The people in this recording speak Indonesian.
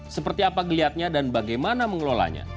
seperti apa geliatnya dan bagaimana mengelolanya